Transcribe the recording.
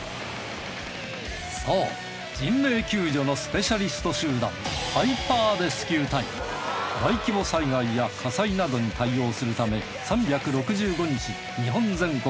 そう人命救助のスペシャリスト集団大規模災害や火災などに対応するため３６５日日本全国